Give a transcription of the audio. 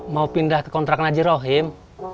mau pindah ke kontrak najirohim